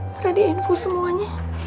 pernah diinfus semuanya